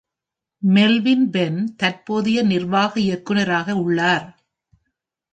Melvin Ben தற்போதைய நிர்வாக இயக்குநராக உள்ளார்.